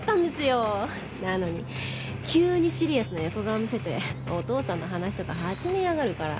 なのに急にシリアスな横顔見せてお父さんの話とか始めやがるから。